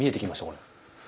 これ。